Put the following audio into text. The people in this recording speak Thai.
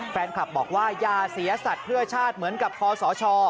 แฟนคลับบอกว่าอย่าเสียสัตว์เพื่อชาติเหมือนกับคอสช